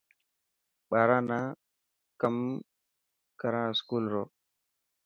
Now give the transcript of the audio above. ٻاران نا ڪم ڪرا اسڪول رو.